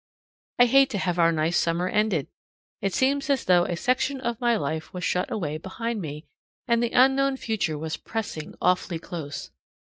I hate to have our nice summer ended. It seems as though a section of my life was shut away behind me, and the unknown future was pressing awfully close.